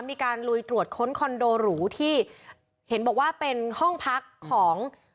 ลุยตรวจค้นคอนโดหรูที่เห็นบอกว่าเป็นห้องพักของ